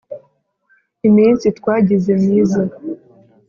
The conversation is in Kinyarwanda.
iminsi twagize myiza